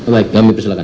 baik kami persilakan